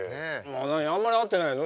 何あんまり会ってないの？